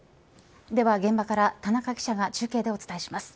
では現場から田中記者が中継でお伝えします。